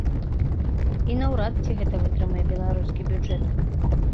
І наўрад ці гэта вытрымае беларускі бюджэт.